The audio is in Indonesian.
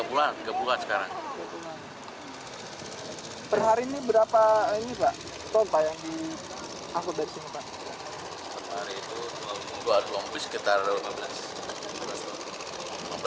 per hari itu dua dua puluh sekitar lima belas ton